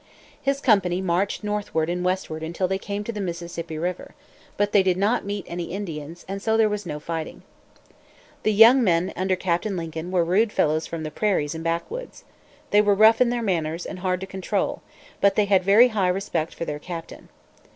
His company marched northward and westward until they came to the Mississippi river. But they did not meet any Indians, and so there was no fighting. The young men under Captain Lincoln were rude fellows from the prairies and backwoods. They were rough in their manners, and hard to control. But they had very high respect for their captain.